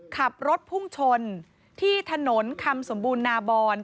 ขับรถพุ่งชนที่ถนนคำสมบูรณาบอน